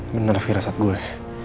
bener fira saat gue